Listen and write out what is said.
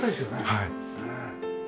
はい。